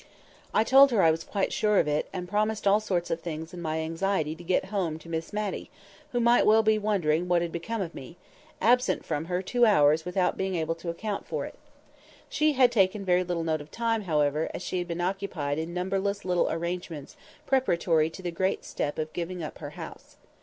I told her I was quite sure of it, and promised all sorts of things in my anxiety to get home to Miss Matty, who might well be wondering what had become of me—absent from her two hours without being able to account for it. She had taken very little note of time, however, as she had been occupied in numberless little arrangements preparatory to the great step of giving up her house.